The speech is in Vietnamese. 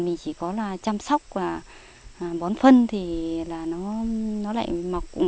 mình chỉ có là chăm sóc và bón phân thì nó lại mọc